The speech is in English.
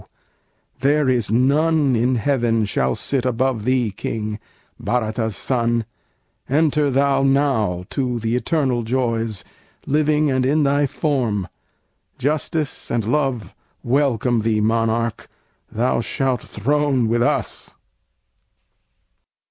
there is none in heaven Shall sit above thee, King! Bhârata's son! Enter thou now to the eternal joys, Living and in thy form. Justice and Love Welcome thee, Monarch! thou shalt throne with us."